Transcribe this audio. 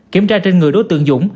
kiểm tra trên người đối tượng dũng